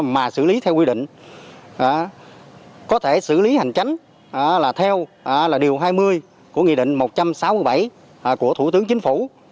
mà xử lý theo quy định có thể xử lý hành tránh là theo điều hai mươi của nghị định một trăm sáu mươi bảy của thủ tướng chính phủ